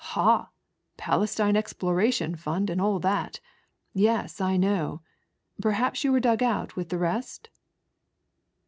" Ha ! Palestine Exploration Fund and all that ; yeSj I know; perhaps yoa were dug out with the rest